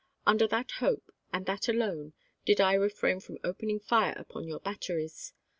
Under that hope, and that alone, did I refrain from opening fire upon your batteries.